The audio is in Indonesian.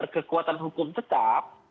kekuatan hukum tetap